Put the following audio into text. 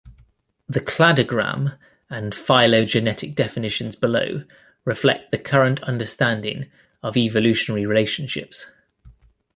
The cladogram and phylogenetic definitions below reflect the current understanding of evolutionary relationships.